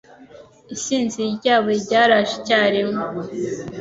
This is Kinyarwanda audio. Isinzi ryabo ryaraje icyarimwe